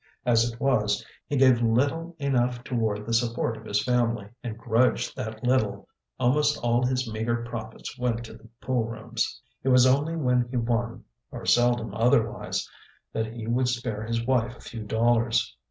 As it was, he gave little enough toward the support of his family, and grudged that little; almost all his meagre profits went to the poolrooms; it was only when he won (or seldom otherwise) that he would spare his wife a few dollars.